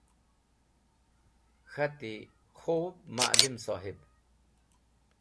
K̃hati: “Khub Ma’lim Sohib!